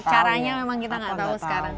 caranya memang kita nggak tahu sekarang